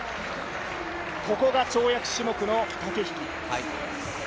ここが跳躍種目の駆け引き。